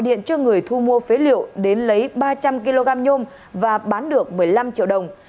điện cho người thu mua phế liệu đến lấy ba trăm linh kg nhôm và bán được một mươi năm triệu đồng